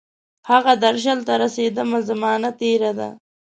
هغه درشل ته رسیدمه، زمانه تیره ده